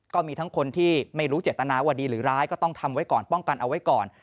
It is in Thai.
ก็มีทั้งคนที่ไม่รู้เจตนาว่าดีหรือร้ายก็ต้องทำไว้ก่อนป้องกันเอาไว้ก่อน